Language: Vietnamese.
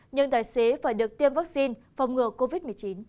nhưng tài xế phải được tiêm vaccine phòng ngừa covid một mươi chín